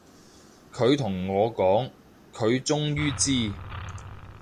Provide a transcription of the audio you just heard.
佢同我講，佢終於知